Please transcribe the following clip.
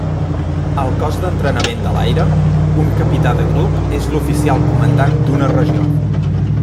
Al Cos d'Entrenament de l'Aire, un Capità de Grup és l'oficial comandant d'una regió.